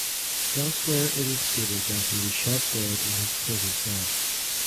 Elsewhere it is stated that he was shot dead in his prison cell.